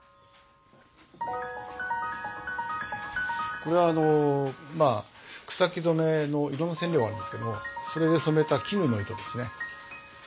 これあのまあ草木染の色の染料があるんですけれどもそれで染めた絹の糸ですね。